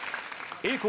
栄光